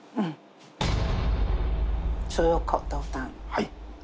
はい。